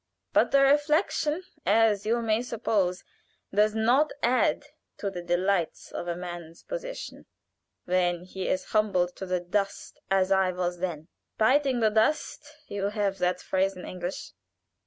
But that reflection, as you may suppose, does not add to the delights of a man's position when he is humbled to the dust as I was then. Biting the dust you have that phrase in English.